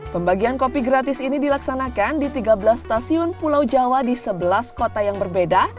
pembagian kopi gratis ini dilaksanakan di tiga belas stasiun pulau jawa di sebelas kota yang berbeda